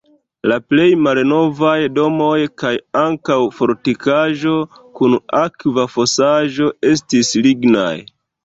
La plej malnovaj domoj kaj ankaŭ fortikaĵo kun akva fosaĵo estis lignaj.